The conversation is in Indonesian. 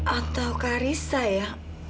atau karissa ya